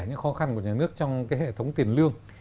những khó khăn của nhà nước trong cái hệ thống tiền lương